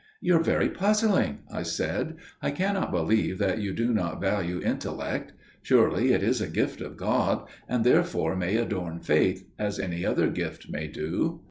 "You are very puzzling;" I said. "I cannot believe that you do not value intellect. Surely it is a gift of God, and therefore may adorn faith, as any other gift may do."